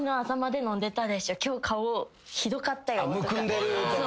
むくんでるとか。